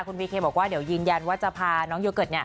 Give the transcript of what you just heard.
คุณบีเคบอกว่าเดี๋ยวยืนยันว่าจะพาน้องโยเกิร์ต